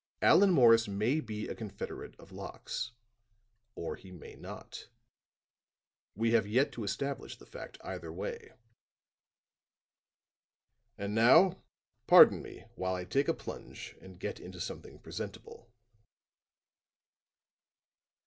"Allan Morris may be a confederate of Locke's, or he may not. We have yet to establish the fact either way. And now, pardon me while I take a plunge and get into something presentable."